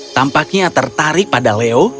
tampaknya tertarik pada leo